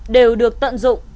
đều được tận dụng